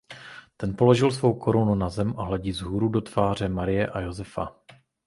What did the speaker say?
Ten položil svou korunu na zem a hledí vzhůru do tváře Marie a Josefa.